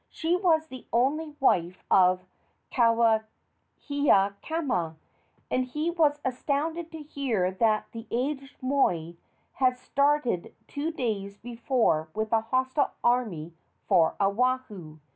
She was the only wife of Kauhiakama, and he was astounded to hear that the aged moi had started two days before with a hostile army for Oahu.